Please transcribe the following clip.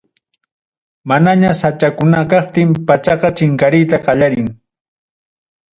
Manaña sachakuna kaptin, pachaqa chinkariyta qallarin.